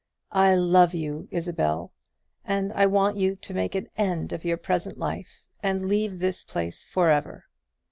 I love you, Isabel; and I want you to make an end of your present life, and leave this place for ever.